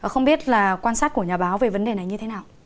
không biết là quan sát của nhà báo về vấn đề này như thế nào